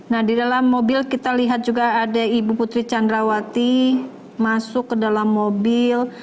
nah di dalam mobil kita lihat juga ada ibu putri candrawati masuk ke dalam mobil